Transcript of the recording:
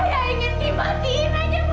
saya ingin bertemu dengan anak anak saya